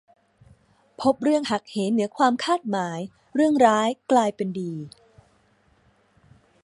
พบเรื่องหักเหเหนือความคาดหมาย เรื่องร้ายกลายเป็นดี